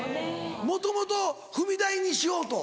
もともと踏み台にしようと？